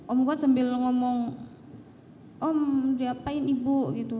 om kuat sambil ngomong om diapain ibu gitu